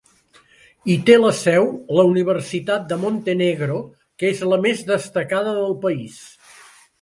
Hi té la seu la Universitat de Montenegro, que és la més destacada del país.